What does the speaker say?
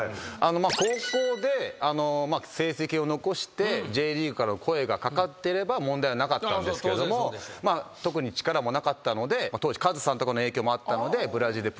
高校で成績を残してＪリーグから声が掛かってれば問題はなかったんですけれども特に力もなかったので当時カズさんとかの影響もあったので。